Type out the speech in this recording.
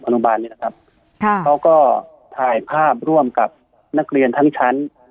เขาก็ถ่ายภาพร่วมกับนักเรียนทั้งชั้น